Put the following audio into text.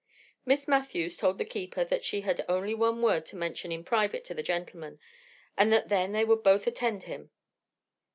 Miss Matthews told the keeper that she had only one word to mention in private to the gentleman, and that then they would both attend him.